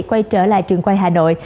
quay trở lại trường quay hà nội